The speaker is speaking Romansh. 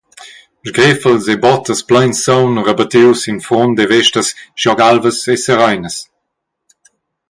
Sgreffels e bottas plein saung rebattiu sin frunt e vestas schiglioc alvas e sereinas.